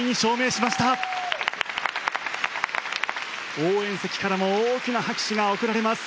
応援席からも大きな拍手が送られます。